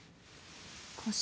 腰。